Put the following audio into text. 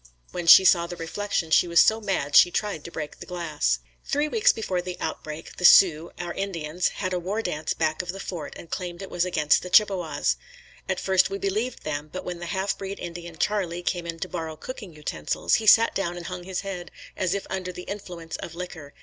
When she saw the reflection she was so mad she tried to break the glass. Three weeks before the outbreak, the Sioux, our Indians had a war dance back of the fort and claimed it was against the Chippewas. At first we believed them, but when the half breed, Indian Charlie, came in to borrow cooking utensils, he sat down and hung his head, as if under the influence of liquor.